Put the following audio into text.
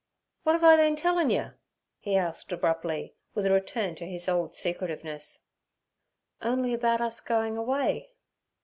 W'at'ave I been a tellin' yer?' he said abruptly, with a return to his old secretiveness. 'Only about us going away.'